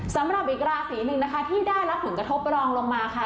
สำหรับอีกราศีหนึ่งนะคะที่ได้รับผลกระทบรองลงมาค่ะ